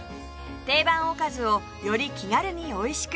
定番おかずをより気軽においしく！